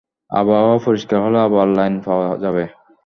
আবহাওয়া পরিষ্কার হলে আবার লাইন পাওয়া যাবে।